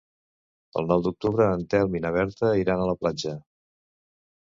El nou d'octubre en Telm i na Berta iran a la platja.